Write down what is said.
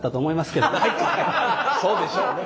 そうでしょうね。